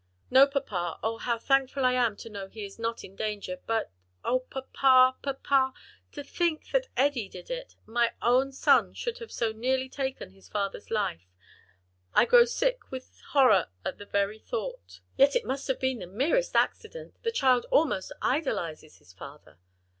"No, papa, oh, how thankful I am to know he is not in danger; but oh, papa, papa! to think that Eddie did it! that my own son should have so nearly taken his father's life! I grow sick with horror at the very thought!" "Yet it must have been the merest accident, the child almost idolizes his father."